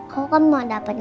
aku punya perkembangan